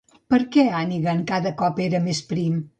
Per què Annigan cada cop era més prim?